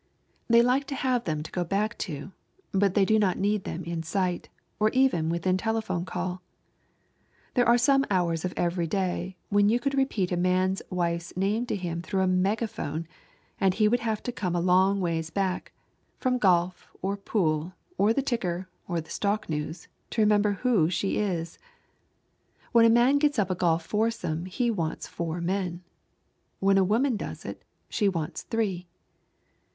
They like to have them to go back to, but they do not need them in sight, or even within telephone call. There are some hours of every day when you could repeat a man's wife's name to him through a megaphone, and he would have to come a long ways back, from golf or pool or the ticker or the stock news, to remember who she is. When a man gets up a golf foursome he wants four men. When a woman does it, she wants three.